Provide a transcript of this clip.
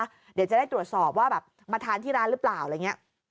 เดี๋ยวจะได้ตรวจสอบว่าแบบมาทานที่ร้านหรือเปล่าอะไรอย่างนี้